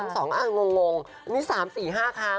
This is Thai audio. ครั้งสองงงนี่๓๔๕ครั้ง